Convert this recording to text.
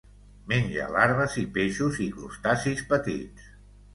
Menja larves i peixos i crustacis petits.